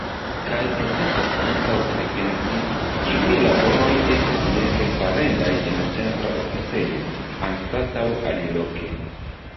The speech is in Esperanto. Kaj necesas ankaŭ pripensi, kiuj laboroj estas nepre farendaj en Centra Oficejo anstataŭ aliloke.